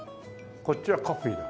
こっちはカフィーだ。